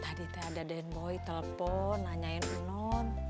tadi teh ada den boy telpon nanyain non